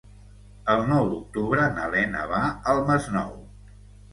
El nou d'octubre na Lena va al Masnou.